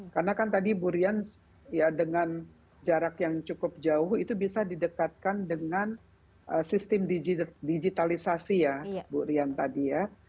karena kan tadi bu rian ya dengan jarak yang cukup jauh itu bisa didekatkan dengan sistem digitalisasi ya bu rian tadi ya